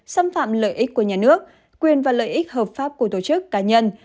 xâm phạm lợi ích của nhà nước quyền và lợi ích hợp pháp của tổ chức cá nhân